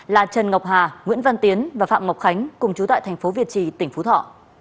là trần ngọc hà nguyễn văn tiến và phạm ngọc khánh cùng chú tại thành phố việt trì tỉnh phú thọ